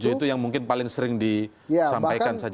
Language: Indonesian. tujuh itu yang mungkin paling sering disampaikan saja ya